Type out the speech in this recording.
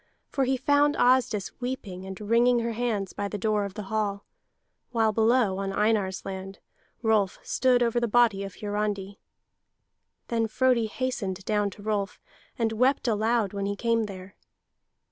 For he found Asdis weeping and wringing her hands by the door of the hall, while below on Einar's land Rolf stood over the body of Hiarandi. Then Frodi hastened down to Rolf and wept aloud when he came there.